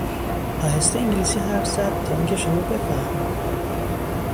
آهسته انگلیسی حرف زد تا اینکه شما بفهمید.